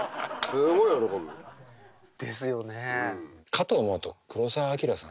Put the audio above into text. かと思うと黒澤明さんに。